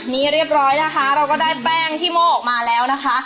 นี่เรียบร้อยนะคะเราก็ได้แป้งที่โม่ออกมาแล้วนะคะ